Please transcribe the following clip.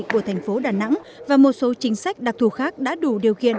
của thành phố đà nẵng và một số chính sách đặc thù khác đã đủ điều kiện